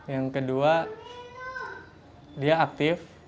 yang kedua dia aktif